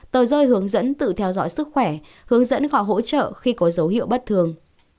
tờ rơi hướng dẫn tự theo dõi sức khỏe hướng dẫn họ hỗ trợ khi có dấu hiệu bất thường